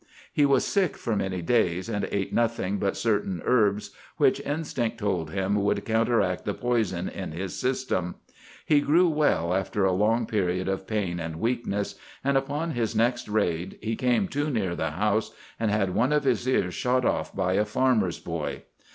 He was sick for many days, and ate nothing but certain herbs which instinct told him would counteract the poison in his system. He grew well after a long period of pain and weakness, and upon his next raid he came too near the house and had one of his ears shot off by a farmer's boy.